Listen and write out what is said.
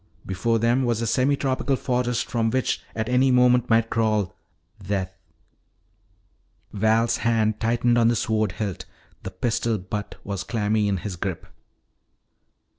Before them was a semitropical forest from which at any moment might crawl death. Val's hand tightened on the sword hilt; the pistol butt was clammy in his grip.